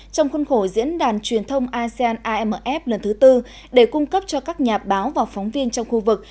trong khuôn khổ diễn đàn truyền thông asean amf lần thứ tư để cung cấp cho các nhà báo và phóng viên trong khu vực